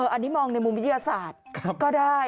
อันนี้มองในมุมวิทยาศาสตร์ก็ได้